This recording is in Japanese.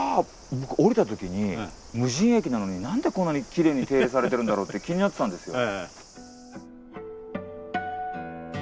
僕降りた時に無人駅なのに何でこんなにきれいに手入れされてるんだろうって気になってたんですよ。